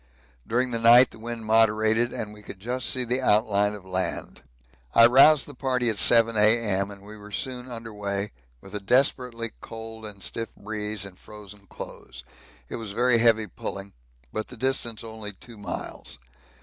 During the night the wind moderated and we could just see outline of land. I roused the party at 7 A.M. and we were soon under weigh, with a desperately cold and stiff breeze and frozen clothes; it was very heavy pulling, but the distance only two miles.